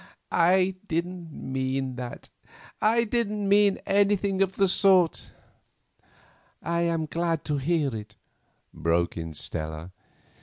"I didn't mean that—I didn't mean anything of the sort——" "I am glad to hear it," broke in Stella.